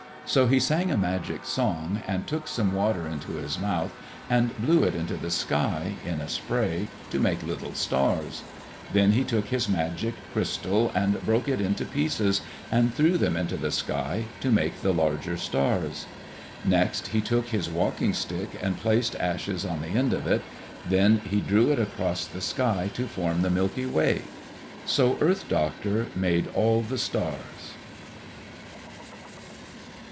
So he sang a magic song, and took some water into his mouth and blew it into the sky, in a spray, to make little stars. Then he took his magic crystal and broke it into pieces and threw them into the sky, to make the larger stars. Next he took his walking stick and placed ashes on the end of it. Then he drew it across the sky to form the Milky Way. So Earth Doctor made all the stars.